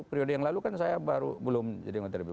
periode yang lalu kan saya baru belum jadi menteri bumn